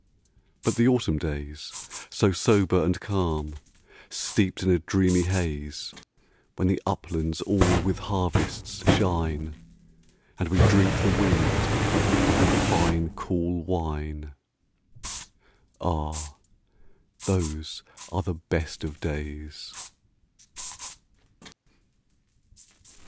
But the autumn days, so sober and calm, Steeped in a dreamy haze, When the uplands all with harvests shine, And we drink the wind like a fine cool wine Ah, those are the best of days!